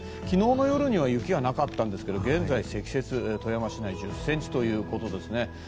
昨日の夜には雪はなかったんですが現在積雪、富山市内１０ｃｍということですね。